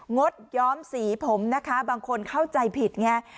ดย้อมสีผมนะคะบางคนเข้าใจผิดไง